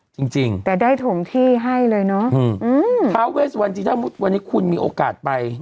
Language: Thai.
จริงจริงแต่ได้ถุงที่ให้เลยเนอะอืมอืมอืมวันนี้คุณมีโอกาสไป